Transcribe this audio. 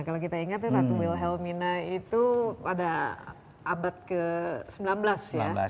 kalau kita ingat ratu wilhelmina itu pada abad ke sembilan belas ya